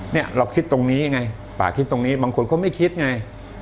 เนี่ยเราคิดตรงนี้ไงป่าคิดตรงนี้บางคนเขาไม่คิดไง